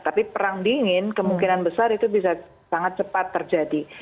tapi perang dingin kemungkinan besar itu bisa sangat cepat terjadi